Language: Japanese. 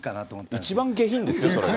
一番下品ですよ、それが。